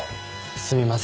すみません。